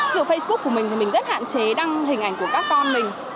với facebook của mình thì mình rất hạn chế đăng hình ảnh của các con mình